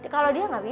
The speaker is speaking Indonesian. kalau dia nggak bisa